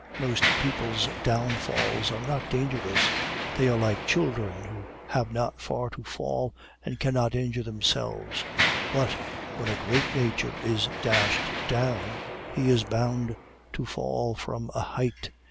Most people's downfalls are not dangerous; they are like children who have not far to fall, and cannot injure themselves; but when a great nature is dashed down, he is bound to fall from a height.